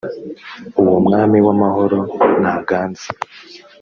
uwo mwami w’ amahoro naganze